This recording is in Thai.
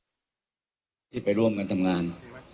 ที่ไปร่วมกันทำงาน